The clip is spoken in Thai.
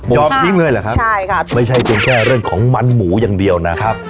ยอมทิ้งเงินเหรอครับใช่ค่ะไม่ใช่กันแค่เรื่องของมันหมูอย่างเดียวนะครับ